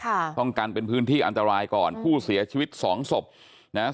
ต้องกันเป็นพื้นที่อันตรายก่อนผู้เสียชีวิตสองศพนะฮะ